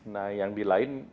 nah yang di lain